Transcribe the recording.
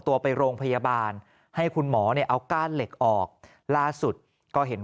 ตัวไปโรงพยาบาลให้คุณหมอเนี่ยเอาก้านเหล็กออกล่าสุดก็เห็น